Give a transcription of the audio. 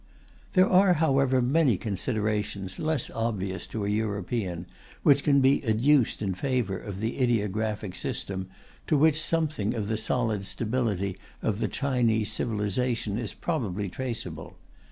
There are, however, many considerations, less obvious to a European, which can be adduced in favour of the ideographic system, to which something of the solid stability of the Chinese civilization is probably traceable.